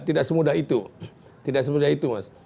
tidak semudah itu tidak semudah itu mas